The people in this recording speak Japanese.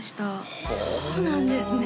ほおそうなんですね